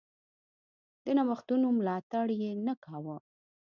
د نوښتونو ملاتړ یې نه کاوه.